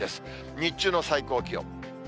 日中の最高気温。